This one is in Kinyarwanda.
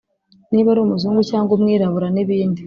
niba ari umuzungu cyangwa umwirabura n’ibindi